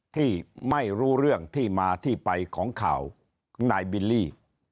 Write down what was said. ที่ไม่รู้เรื่องที่มาที่ไปของข่าวนายบิลลี่